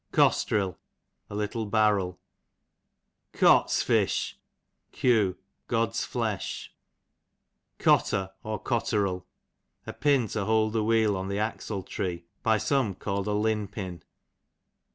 Costril, a little barrel. Cotsfish, q. God's flesh. a pin to hold the wheel on the axle tree, by some called a lin pin.